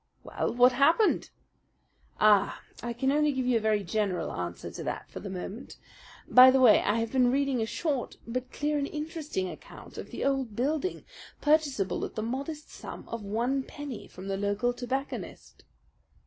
"Well, what happened?" "Ah, I can only give you a very general answer to that for the moment. By the way, I have been reading a short but clear and interesting account of the old building, purchasable at the modest sum of one penny from the local tobacconist."